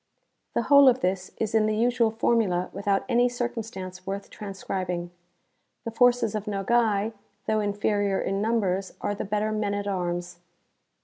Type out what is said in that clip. { (The whole of this is in the usual formula without any circumstance worth transcribing. The forces of Nogai 2 F 2 430 MARCO POLO. Book IV. though interior in numbers are tlie better men at arms.